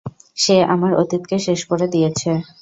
সে আমার অতীতকে শেষ করে দিয়েছে।